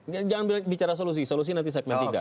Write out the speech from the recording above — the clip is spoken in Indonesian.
jangan bicara solusi solusi nanti segmen tiga